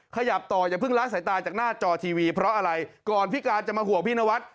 ขยับต่ออย่าเพิ่งละสายตาจากหน้าจอทีวีเพราะอะไรก่อนพี่การจะมาห่วงพี่นวัด